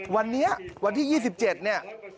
วันนี้วันที่๒๗เนี่ย